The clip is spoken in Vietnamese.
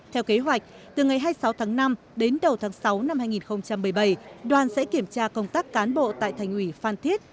theo kế hoạch từ ngày hai mươi sáu tháng năm đến đầu tháng sáu năm hai nghìn một mươi bảy đoàn sẽ kiểm tra công tác cán bộ tại thành ủy phan thiết